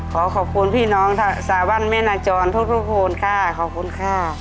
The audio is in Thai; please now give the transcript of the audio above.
ขอขอบคุณพี่น้องสาวันแม่นาจรทุกคนค่ะขอบคุณค่ะ